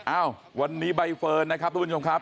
อ้าววันนี้ใบเฟิร์นนะครับทุกผู้ชมครับ